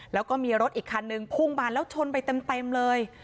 แล้วก็มีรถอีกคันนึงพุ่งมาแล้วชนไปเต็มเลย